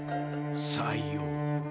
さよう。